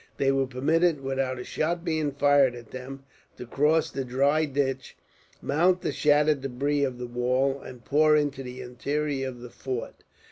They were permitted, without a shot being fired at them, to cross the dry ditch, mount the shattered debris of the wall, and pour into the interior of the fort.